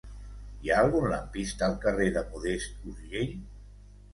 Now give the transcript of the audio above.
Hi ha algun lampista al carrer de Modest Urgell?